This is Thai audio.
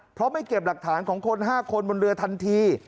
เพราะไม่เก็บหลักฐานของคน๕คนบนเรือทันที